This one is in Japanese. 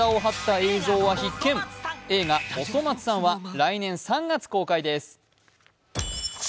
映画「おそ松さん」は来年３月公開です。